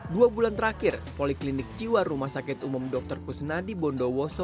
dua bulan terakhir poliklinik jiwa rumah sakit umum dr kusnadi bondowoso